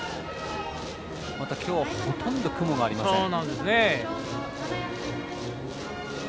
今日はほとんど雲がありません。